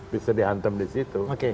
bisa dihantam disitu